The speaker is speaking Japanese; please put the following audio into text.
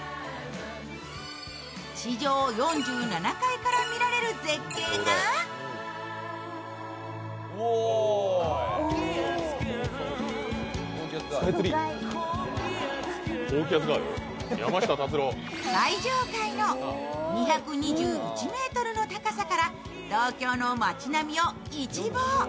地上４７階から見られる絶景が最上階の２２１ｍの高さから東京の街並みを一望。